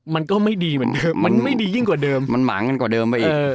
มันก็ไม่ดีเหมือนเดิมมันไม่ดียิ่งกว่าเดิม